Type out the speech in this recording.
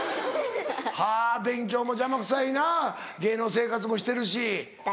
はぁ勉強も邪魔くさいな芸能生活もしてるし。